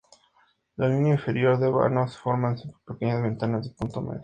La línea inferior de vanos la forman cinco pequeñas ventanas de medio punto.